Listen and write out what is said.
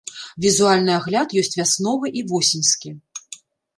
Візуальны агляд ёсць вясновы і восеньскі.